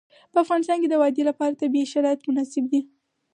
په افغانستان کې د وادي لپاره طبیعي شرایط مناسب دي.